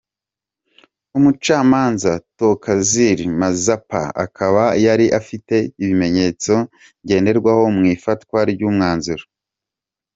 Umucamanza Thokozile Mazapa akaba yari afite ibimenyetso ngenderwaho mu ifatwa ry’umwanzuro.